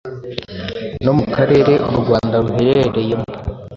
no mu karere u Rwanda ruherereyemo,